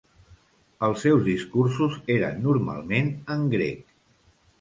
Els seus discursos eren normalment en grec.